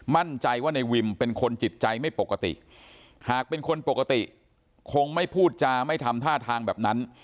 มั่นใจว่าในวิมเป็นคนจิตใจไม่ปกติหากเป็นคนปกติคงไม่พูดจาไม่ทำท่าทางแบบนั้น